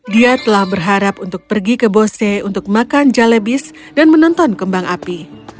dia telah berharap untuk pergi ke bose untuk makan jalebis dan menonton kembang api